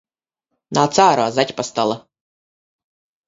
Nāc ārā, zaķpastala!